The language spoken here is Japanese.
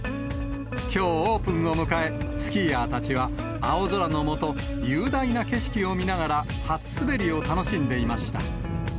きょうオープンを迎え、スキーヤーたちは、青空の下、雄大な景色を見ながら初滑りを楽しんでいました。